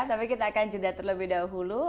tapi kita akan jeda terlebih dahulu